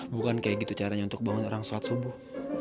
bukan kayak gitu caranya untuk bangun orang sholat subuh